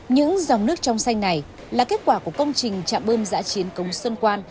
những dòng nước trong xanh này là kết quả của công trình chạm bơm giã chiến cống xuân quan